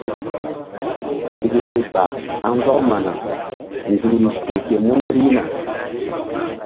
Tiklari ba haŋ ndɔk mana nzukri ƴo ke mun rihna.